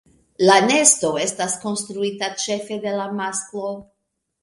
La nesto estas konstruita ĉefe de la masklo.